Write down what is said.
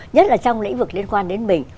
nhất là trong lĩnh vực liên quan đến mình